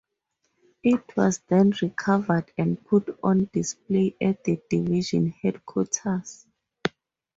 It was then recovered and put on display at the division headquarters.